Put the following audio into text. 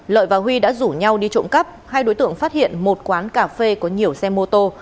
lợi và huy đã rủ nhau đi trộm cắp hai đối tượng phát hiện một quán cà phê có nhiều xe mô tô